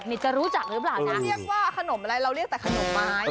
นี่จะรู้จักหรือเปล่าถ้าเรียกว่าขนมอะไรเราเรียกแต่ขนมไม้